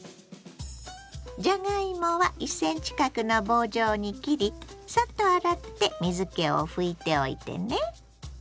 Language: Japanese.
じゃがいもは１ｃｍ角の棒状に切りサッと洗って水けを拭いておいてね。